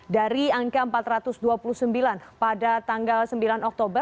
dari angka empat ratus dua puluh sembilan pada tanggal sembilan oktober